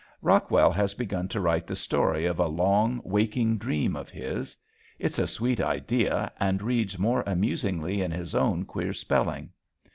Rockwell has begun to write the story of a long, waking dream of his. It's a sweet idea and reads most amusingly in his own queer spelling.